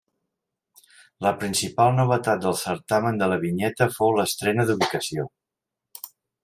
La principal novetat del certamen de la vinyeta fou l'estrena d'ubicació.